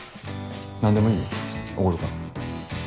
何でもいいよおごるから。